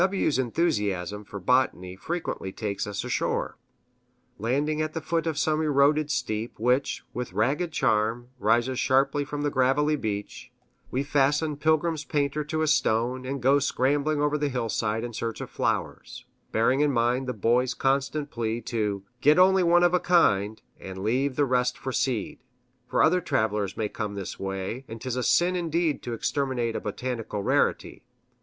W 's enthusiasm for botany frequently takes us ashore. Landing at the foot of some eroded steep which, with ragged charm, rises sharply from the gravelly beach, we fasten Pilgrim's painter to a stone, and go scrambling over the hillside in search of flowers, bearing in mind the Boy's constant plea, to "Get only one of a kind," and leave the rest for seed; for other travelers may come this way, and 'tis a sin indeed to exterminate a botanical rarity.